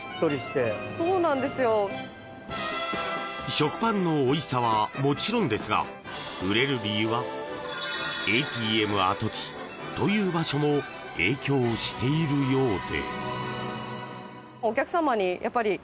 食パンのおいしさはもちろんですが売れる理由は、ＡＴＭ跡地という場所も影響しているようで。